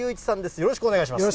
よろしくお願いします。